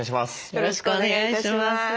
よろしくお願いします。